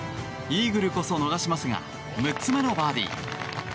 イーグルこそ逃しますが６つ目のバーディー。